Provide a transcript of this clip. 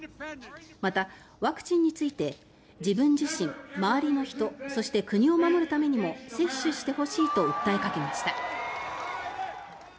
また、ワクチンについて自分自身、周りの人そして国を守るためにも接種してほしいと訴えかけました。